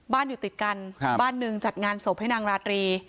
อยู่ติดกันบ้านหนึ่งจัดงานศพให้นางราตรี